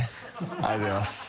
ありがとうございます。